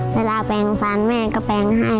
แปลงฟันแม่ก็แปลงให้